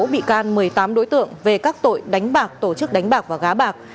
bị can một mươi tám đối tượng về các tội đánh bạc tổ chức đánh bạc và giá bạc